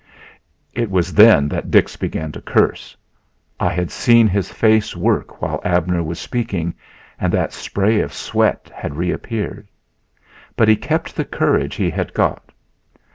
It was then that Dix began to curse. I had seen his face work while Abner was speaking and that spray of sweat had reappeared. But he kept the courage he had got.